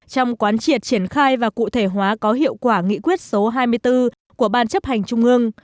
trong quán triệt triển khai và cụ thể hóa có hiệu quả nghị quyết số hai mươi bốn của ban chấp hành trung ương